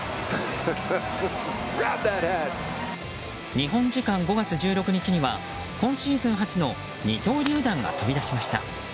日本時間５月１６日には今シーズン初の二刀流弾が飛び出しました。